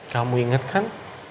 kamu ingat kan